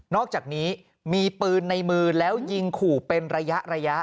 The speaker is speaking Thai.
อกจากนี้มีปืนในมือแล้วยิงขู่เป็นระยะ